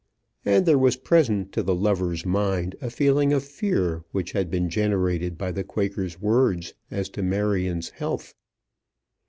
And there was present to the lover's mind a feeling of fear which had been generated by the Quaker's words as to Marion's health.